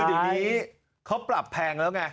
คืออย่างนี้เขาปรับแพงแล้วไง